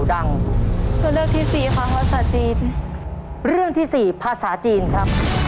ได้เรียนอยู่เรียนค่ะ